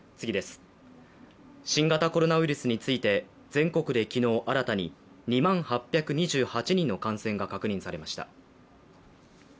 新型コロナウイルスについて全国で昨日新たに、２万８２８人の感染が確認されました。